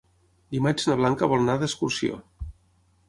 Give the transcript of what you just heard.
Dimarts na Blanca vol anar d'excursió.